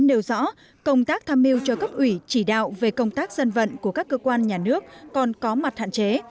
nêu rõ công tác tham mưu cho cấp ủy chỉ đạo về công tác dân vận của các cơ quan nhà nước còn có mặt hạn chế